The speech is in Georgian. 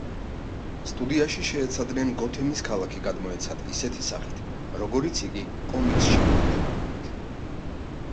სტუდიაში შეეცადნენ გოთემის ქალაქი გადმოეცათ ისეთი სახით, როგორიც იგი კომიქსში გვხვდება.